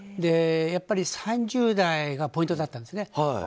やはり３０代がポイントだったんですね。